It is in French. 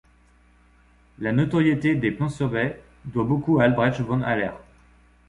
La notoriété des Plans-sur-Bex doit beaucoup à Albrecht von Haller.